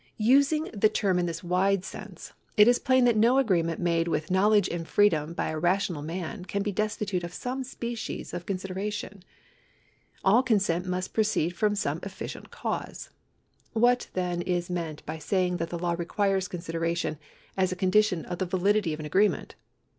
Using the term in this wide sense, it is plain that no agreement made with knowledge and freedom by a rational man can be destitute of some species of consideration. All consent must proceed from some efficient cause. What, then, is meant by saying that the law requires a consideration as a condition of the validity of an agreement